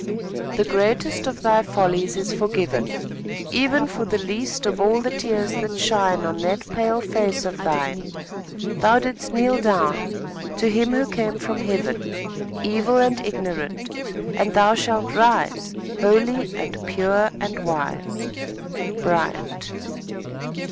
The greatest of thy follies is forgiven, Even for the least of all the tears that shine On that pale face of thine. Thou didst kneel down, to him who came from heaven, Evil and ignorant, and thou shalt rise, Holy, and pure, and wise. Bryant.